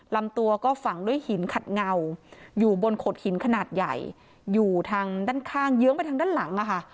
ลำตัวก็ฝังด้วยหินขัดเงาอยู่บนโขดหินขนาดใหญ่อยู่ทางด้านข้างเยื้องไปทางด้านหลังอะค่ะ